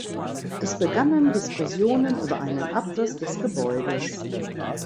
Es begannen Diskussionen über einen Abriss des Gebäudes.